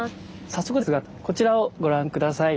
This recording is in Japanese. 早速ですがこちらをご覧下さい。